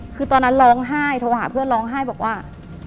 คือตอนนั้นร้องไห้โทรหาเพื่อนร้องไห้บอกว่า